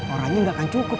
orangnya tidak akan cukup